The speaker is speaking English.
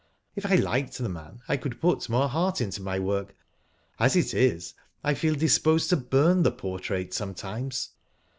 If I liked the man, I could put more heart into my work \ as it is, I feel disposed to burn the portrait, sometimes."